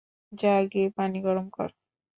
যা, গিয়ে পানি গরম কর।